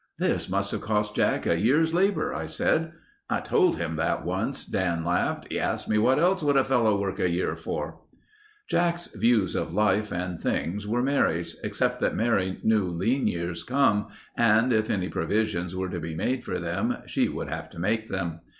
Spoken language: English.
"This must have cost Jack a year's labor," I said. "I told him that once," Dan laughed. "He asked me what else would a fellow work a year for." Jack's views of life and things were Mary's, except that Mary knew lean years come and if any provisions were to be made for them she would have to make them.